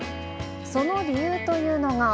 その理由というのが。